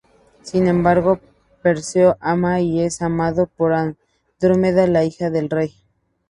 Sin embargo, Perseo ama y es amado por Andrómeda, la hija del rey.